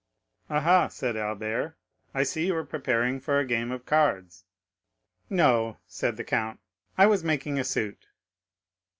"Ah, ha," said Albert, "I see you were preparing for a game of cards." "No," said the count, "I was making a suit."